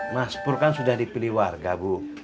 mas pur kan sudah dipilih warga bu